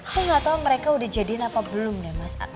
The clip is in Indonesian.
aku gatau mereka udah jadi apa belum deh mas